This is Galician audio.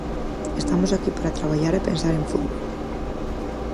Estamos aquí para traballar e pensar en fútbol.